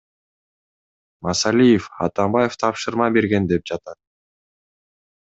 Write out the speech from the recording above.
Масалиев Атамбаев тапшырма берген деп жатат.